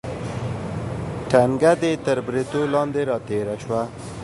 ټنګه دې تر بریتو لاندې راتېره شوه.